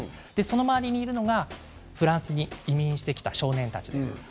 その周りにいるのがフランスに移民してきた少年たちです。